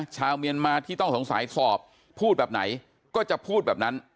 ชาวเมียนมาที่ต้องสงสัยสอบพูดแบบไหนก็จะพูดแบบนั้น